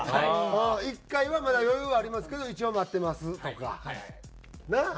１回はまだ余裕ありますけど一応待ってますとか。なあ？